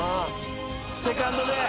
セカンドで。